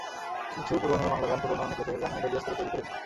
কিছু পুরোনো বাংলা গান, পুরোনো অনেক লেখকের গান মেলোডিয়াস করে তৈরি করেছি।